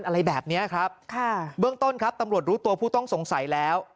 อะไรแบบเนี้ยครับค่ะเบื้องต้นครับตำรวจรู้ตัวผู้ต้องสงสัยแล้ว